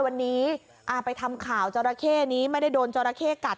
วันนี้ไปทำข่าวจราเข้นี้ไม่ได้โดนจราเข้กัด